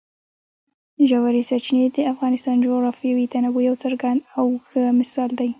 ژورې سرچینې د افغانستان د جغرافیوي تنوع یو څرګند او ښه مثال دی.